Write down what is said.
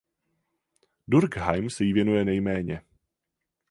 Durkheim se jí věnuje nejméně.